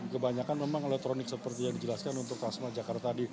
kebanyakan memang elektronik seperti yang dijelaskan untuk transmart jakarta